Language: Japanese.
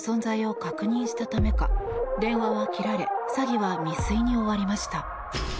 ほかに家族の存在を確認したためか電話は切られ詐欺は未遂に終わりました。